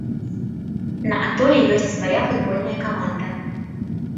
На атоле ёсць свая футбольная каманда.